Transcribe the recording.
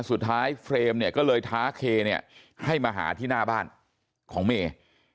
เฟรมเนี่ยก็เลยท้าเคเนี่ยให้มาหาที่หน้าบ้านของเมย์